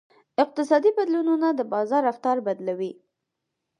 اقتصادي بدلونونه د بازار رفتار بدلوي.